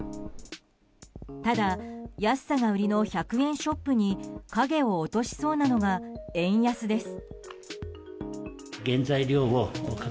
ただ、安さが売りの１００円ショップに影を落としそうなのが円安です。